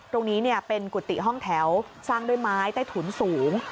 ตรงนี้เป็นกุฏิห้องแถวสร้างด้วยไม้ใต้ถุนสูง